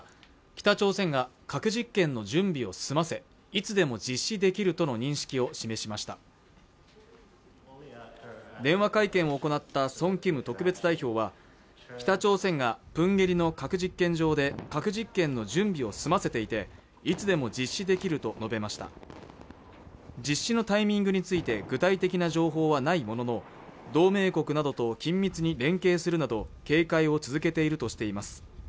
北朝鮮が核実験の準備を済ませいつでも実施できるとの認識を示しました電話会見を行ったソン・キム特別代表は北朝鮮がプンゲリの核実験場で核実験の準備を済ませていていつでも実施できると述べました実施のタイミングについて具体的な情報はないものの同盟国などと緊密に連携するなど警戒を続けているとしています